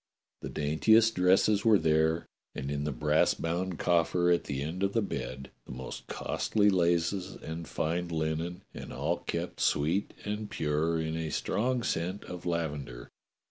The daintiest dresses were there, and in the brass bound coffer at the end of the bed the most WATCHBELL STREET 261 costly laces and fine linen, and all kept sweet and pure in a strong scent of lavender.